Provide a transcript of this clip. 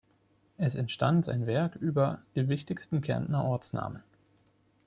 Es entstand sein Werk über "Die wichtigsten Kärntner Ortsnamen".